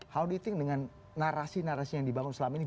how do you think dengan narasi narasi yang dibangun selama ini